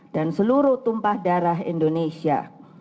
dan seluruh tumpah darah indonesia